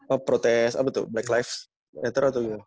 oh protes apa tuh black lives matter atau gimana